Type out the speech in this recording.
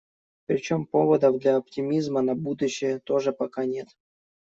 Причём поводов для оптимизма на будущее тоже пока нет.